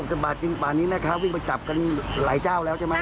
แต่บาทจริงป่านนี้แม่ค้าวิ่งไปจับกันหลายเจ้าแล้วใช่ไหม